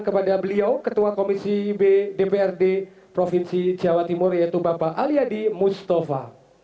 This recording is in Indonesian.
kepada beliau ketua komisi b dprd provinsi jawa timur yaitu bapak aliadi mustafa